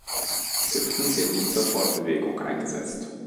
Hüpfen wird nicht zur Fortbewegung eingesetzt.